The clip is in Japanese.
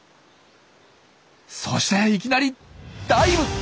そしていきなりダイブ！